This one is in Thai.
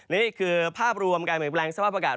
นะนี่คือภาพรวมมีการใหม่แบบแสวภาพประกาศ